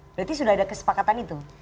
berarti sudah ada kesepakatan itu